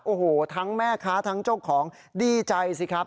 โอ้โหทั้งแม่ค้าทั้งเจ้าของดีใจสิครับ